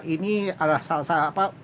ini adalah salah satu